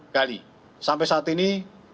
gali sampai saat ini